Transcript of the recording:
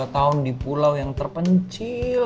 lima tahun di pulau yang terpencil